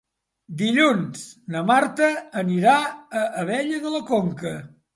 Dilluns na Marta anirà a Abella de la Conca.